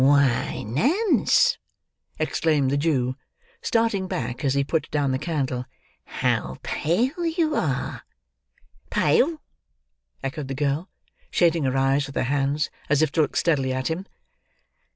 "Why, Nance!" exclaimed the Jew, starting back as he put down the candle, "how pale you are!" "Pale!" echoed the girl, shading her eyes with her hands, as if to look steadily at him.